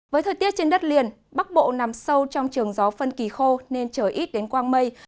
với thời tiết trên đất liền bắc bộ nằm sâu trong trường gió phân kỳ khô nên trời ít đến quang mây